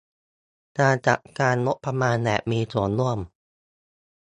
การจัดการงบประมาณแบบมีส่วนร่วม